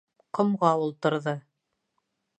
Ҡомға ултырҙы.